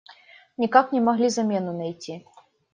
Никак не могли замену найти.